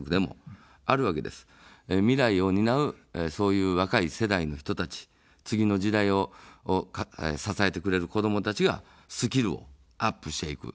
未来を担う、そういう若い世代の人たち、次の時代を支えてくれる子どもたちがスキルをアップしていく。